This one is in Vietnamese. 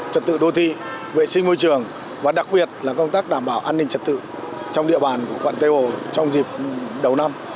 trật tự đô thị vệ sinh môi trường và đặc biệt là công tác đảm bảo an ninh trật tự trong địa bàn của quận tây hồ trong dịp đầu năm